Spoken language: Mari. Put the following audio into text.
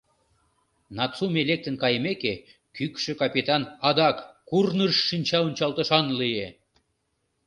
Нацуме лектын кайымеке, кӱкшӧ капитан адак курныж шинчаончалтышан лие.